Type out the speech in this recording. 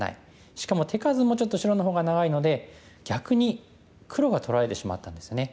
しかも手数もちょっと白の方が長いので逆に黒が取られてしまったんですね。